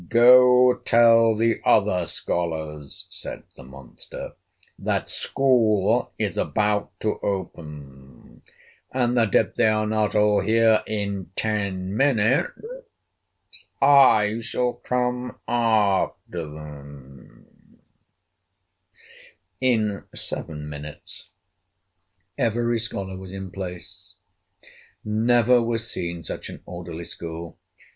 "Go tell the other scholars," said the monster, "that school is about to open, and that if they are not all here in ten minutes, I shall come after them." In seven minutes every scholar was in place. Never was seen such an orderly school.